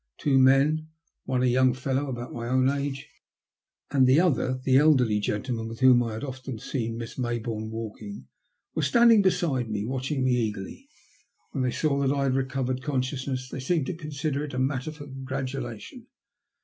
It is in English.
Two men — one a young A STRANGE COINCIDENCE. 125 fellow aboat my own age, and the other the elderly gentlemen with whom I had often seen Miss May bourne walking — were standing beside me watching me eagerly. When they saw that I had recovered consciousness they seemed to consider it a matter for congratulation.